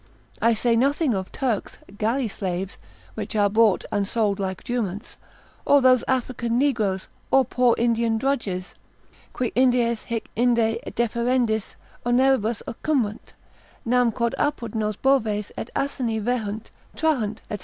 I say nothing of Turks, galley slaves, which are bought and sold like juments, or those African Negroes, or poor Indian drudges, qui indies hinc inde deferendis oneribus occumbunt, nam quod apud nos boves et asini vehunt, trahunt, &c.